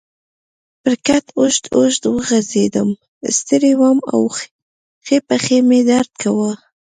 پر کټ اوږد اوږد وغځېدم، ستړی وم او ښۍ پښې مې درد کاوه.